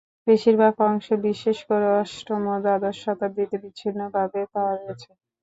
বেশির ভাগ অংশ বিশেষ করে অষ্টম ও দ্বাদশ শতাব্দিতে বিচ্ছিন্নভাবে পাওয়া গেছে।